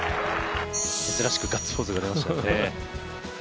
珍しくガッツポーズが出ましたよね。